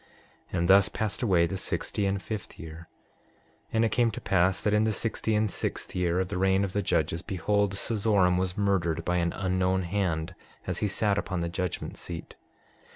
And thus passed away the sixty and fifth year. 6:15 And it came to pass that in the sixty and sixth year of the reign of the judges, behold, Cezoram was murdered by an unknown hand as he sat upon the judgment seat.